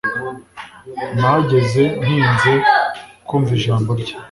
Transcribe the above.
Nahageze ntinze kumva ijambo rye